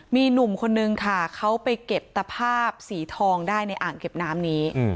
มีหนุ่มคนนึงค่ะเขาไปเก็บตภาพสีทองได้ในอ่างเก็บน้ำนี้